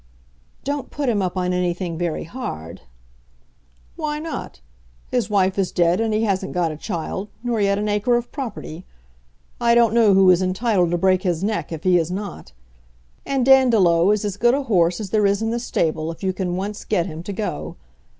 "Don't put him up on anything very hard." "Why not? His wife is dead, and he hasn't got a child, nor yet an acre of property. I don't know who is entitled to break his neck if he is not. And Dandolo is as good a horse as there is in the stable, if you can once get him to go.